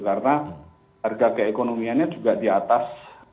karena harga keekonomiannya juga di atas